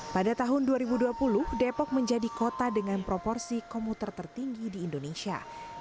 pada tahun dua ribu dua puluh depok menjadi kota dengan proporsi komuter tertinggi di indonesia